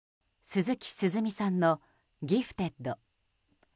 鈴木涼美さんの「ギフテッド」。